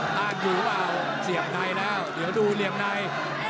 ตั้งอยู่หรือเปล่าเสียบในแล้วเดี๋ยวดูเหลี่ยมใน